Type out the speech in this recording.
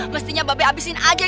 mestinya mbak be abisin aja